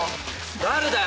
誰だよ。